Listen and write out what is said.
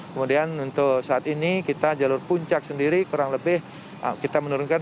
kemudian untuk saat ini kita jalur puncak sendiri kurang lebih kita menurunkan